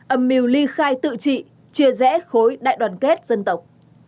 âm mưu ly khai tự trị chia rẽ khối đại đoàn kết dân tộc